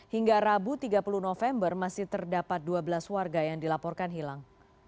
hingga rabu tiga puluh november masih terdapat dua belas warga yang dilaporkan hilang